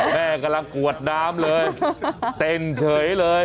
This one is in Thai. แม่กำลังกวดน้ำเลยเต้นเฉยเลย